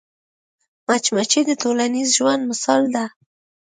مچمچۍ د ټولنیز ژوند مثال ده